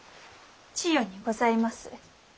千代にございます。